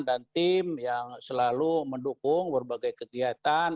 dan tim yang selalu mendukung berbagai kegiatan